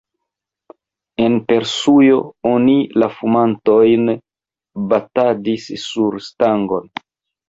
En Persujo oni la fumantojn batadis sur stangon.